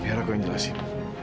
biar aku yang jelasin